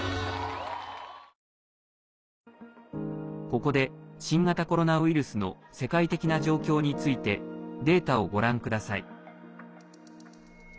ここで、新型コロナウイルスの世界的な状況についてデータをご覧ください。